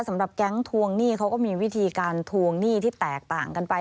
แก๊งทวงหนี้เขาก็มีวิธีการทวงหนี้ที่แตกต่างกันไป